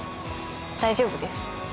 大丈夫です。